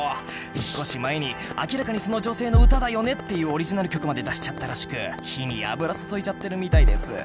少し前に明らかにその女性の歌だよねっていうオリジナル曲まで出しちゃったらしく火に油注いじゃってるみたいです。